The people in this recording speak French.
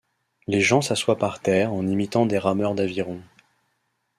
Les gens s'assoient par terre en imitant des rameurs d'aviron.